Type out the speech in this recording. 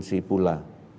di provinsi pula